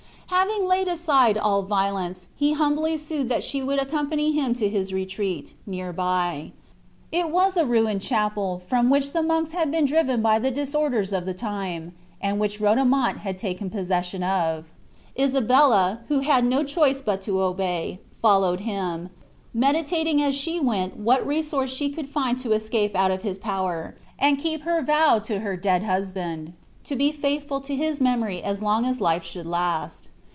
Having laid aside all violence, he humbly sued that she would accompany him to his retreat, near by. It was a ruined chapel from which the monks had been driven by the disorders of the time, and which Rodomont had taken possession of. Isabella, who had no choice but to obey, followed him, meditating as she went what resource she could find to escape out of his power, and keep her vow to her dead husband, to be faithful to his memory as long as life should last.